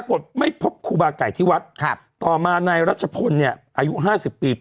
ก็ไม่พบครูบาไก่ที่วัดต่อมาในรัชพลหายุ๕๐ปี